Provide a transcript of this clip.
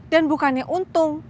dan bukannya untung